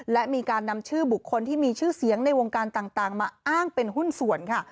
และมีการนำชื่อบุคคลที่มีชื่อเสียงในวงการต่างมาอ้างเป็นหุ้นส่วนค่ะ